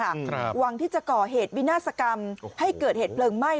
ครับหวังที่จะก่อเหตุวินาศกรรมโอ้โหให้เกิดเหตุเปลืองไหม้